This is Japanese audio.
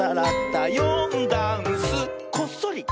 「よんだんす」「こっそり」！